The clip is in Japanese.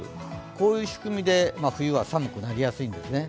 こういう仕組みで冬は寒くなりやすいんですね。